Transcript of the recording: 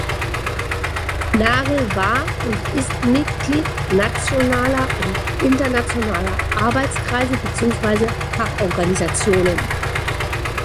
Nagel war und ist Mitglied nationaler und internationaler Arbeitskreise beziehungsweise Fachorganisationen.